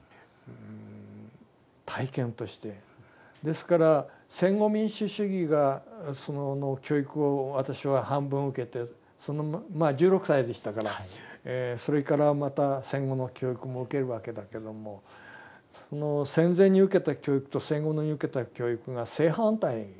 ですから戦後民主主義がその教育を私は半分受けて１６歳でしたからそれからまた戦後の教育も受けるわけだけども戦前に受けた教育と戦後に受けた教育が正反対２つの教育を受けた。